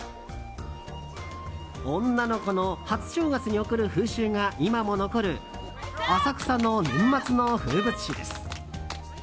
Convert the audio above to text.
女の子の初正月に贈る風習が今も残る浅草の年末の風物詩です。